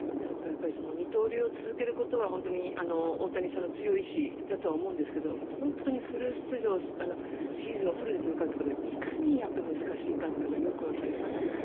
二刀流を続けることは大谷さんの強い意思だとは思うんですけど本当にフル出場シーズンをフルで戦うということはいかに難しいかってのがよくわかりますよね。